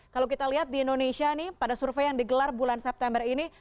kalau kita lihat di indonesia nih pada survei yang digelar bulan september ini